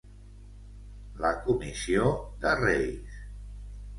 La comissió de reis.